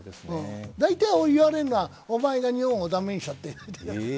大体、俺、言われるのは、お前が日本を駄目にしたって。